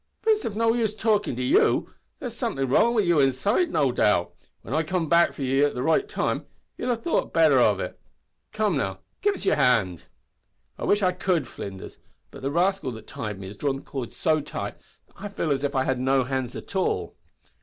"But it's of no use talkin' to ye. There's somethin' wrong wi' your inside, no doubt. When I come back for ye at the right time you'll have thought better of it. Come, now, give us your hand." "I wish I could, Flinders, but the rascal that tied me has drawn the cord so tight that I feel as if I had no hands at all."